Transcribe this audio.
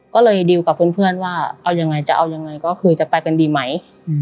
ก็เลยดิวกับเพื่อนว่าเอายังไงจะเอายังไงก็คือจะไปกันดีไหม